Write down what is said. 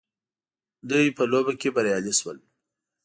دوی په لوبه کي بريالي سول